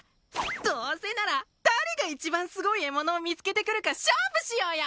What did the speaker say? どうせなら誰が一番すごい獲物を見つけてくるか勝負しようよ